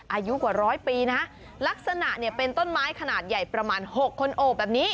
อายุกว่าร้อยปีนะลักษณะเนี่ยเป็นต้นไม้ขนาดใหญ่ประมาณ๖คนโอบแบบนี้